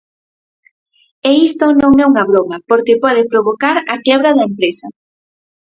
E isto non é unha broma porque pode provocar a quebra da empresa.